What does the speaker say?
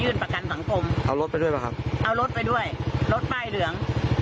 เอารถไปด้วยรถป้ายเหลือง๕๓๐